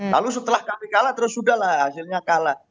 lalu setelah kami kalah terus sudah lah hasilnya kalah